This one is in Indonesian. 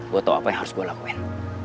gue tau apa yang harus gue lakuin